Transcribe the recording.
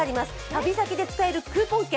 旅先で使えるクーポン券。